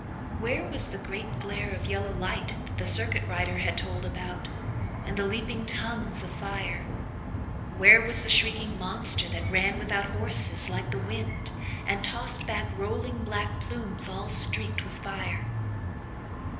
Where was the great glare of yellow light that the "circuit rider" had told about and the leaping tongues of fire? Where was the shrieking monster that ran without horses like the wind and tossed back rolling black plumes all streaked with fire?